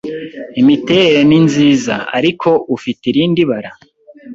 Imiterere ni nziza, ariko ufite irindi bara?